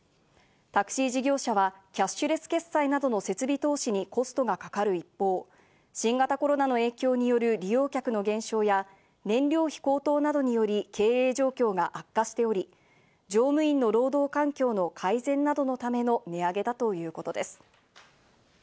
タクシー事業者はキャッシュレス決済などの設備投資にコストがかかる一方、新型コロナの影響による利用客の減少や燃料費高騰などにより経営状況が悪化しており、乗務員の労働環境改善などのための値上げだということです。